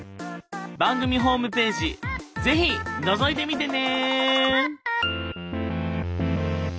番組ホームページ是非のぞいてみてね！